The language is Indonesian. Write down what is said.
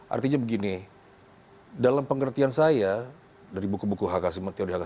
artinya begini dalam pengertian saya dari buku buku teor di hak asi manusia yang saya baca